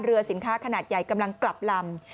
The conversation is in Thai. เรือสินค้าขนาดใหญ่กำลังกลับลำ